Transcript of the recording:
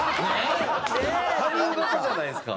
他人事じゃないですか。